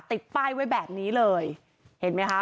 ติดป้ายไว้แบบนี้เลยเห็นไหมคะ